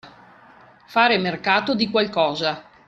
Fare mercato di qualcosa.